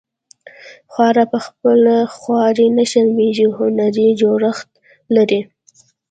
خوار په خپله خواري نه شرمیږي هنري جوړښت لري